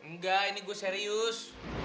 nggak ini gue serius